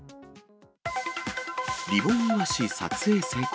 リボンイワシ撮影成功。